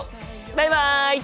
バイバイ！